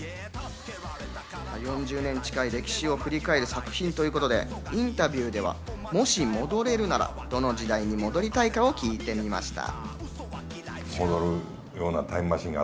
４０年近い歴史を振り返る作品ということで、インタビューでは、もし戻れるなら、どの時代に戻りたいかを聞いてみました。